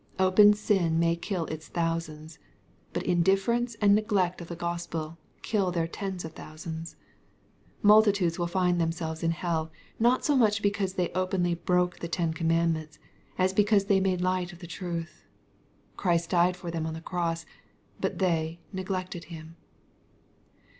iQpen sin may kill its thousands i (out indifference and neglect of the Gospel kill their tens of thousands, j Multitudes will find themselves in hell, not so much because they openly broke the ten commandments, as because they made light of the truth. Christ died for them on the cross, but they neglected Him.